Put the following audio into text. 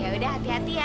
ya udah hati hati ya